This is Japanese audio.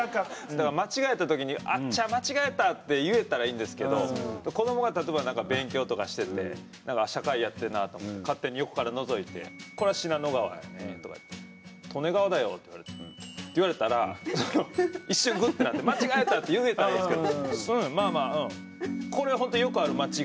だから間違えたときに「あっちゃ！間違えた」って言えたらいいんですけど子どもが例えば何か勉強とかしてて社会やってるなと思って勝手に横からのぞいて「これは信濃川やんね」とか言って「利根川だよ」って言われたらその一瞬グッてなって「間違えた」って言えたらええんですけど「うんまあまあうんこれは本当よくある間違いやから」。